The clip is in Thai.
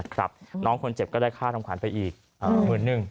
ก็ได้ฆ่าทำความไปอีกหมื่นหนึ่ง